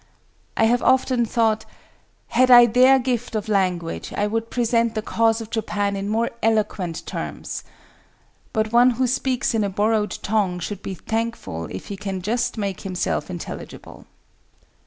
I have often thought,—"Had I their gift of language, I would present the cause of Japan in more eloquent terms!" But one who speaks in a borrowed tongue should be thankful if he can just make himself intelligible.